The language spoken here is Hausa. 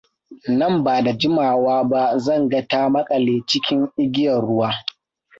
Nan ba da jimawa ba zan ga ta maƙale cikin igiyar ruwa.